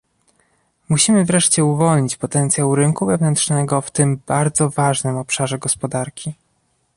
Musimy wreszcie uwolnić potencjał rynku wewnętrznego w tym bardzo ważnym obszarze gospodarki